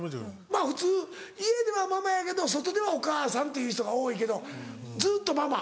まぁ普通家では「ママ」やけど外では「お母さん」っていう人が多いけどずっと「ママ」？